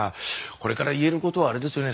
これから言えることはあれですよね